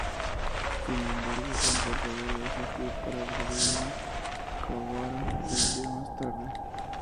Sin embargo, el verdadero desafío para el gobierno de Jawara vendría más tarde.